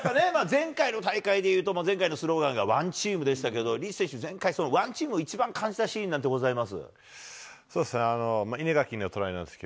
前回の大会でいうと、前回のスローガンがＯＮＥＴＥＡＭでしたけど、リーチ選手、前回、ＯＮＥＴＥＡＭを一番感じたシーンなんてございます？